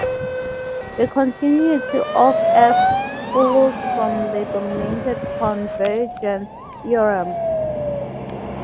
Continuity of "f" follows from the dominated convergence theorem.